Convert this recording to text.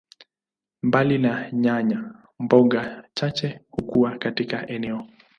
Mbali na nyanya, mboga chache hukua katika eneo.